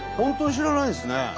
知らないです。